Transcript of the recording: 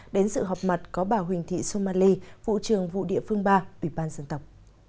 đến sự họp mặt có bà huỳnh thị somali vụ trường vụ địa phương ba ủy ban dân tộc